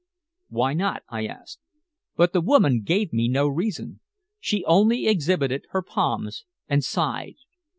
"Why not?" I asked. But the woman gave me no reason; she only exhibited her palms and sighed.